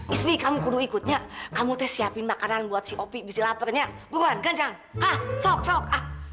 ismi kamu kudu ikutnya kamu teh siapin makanan buat si opi bisi laparnya beruan ganjang hah sok sok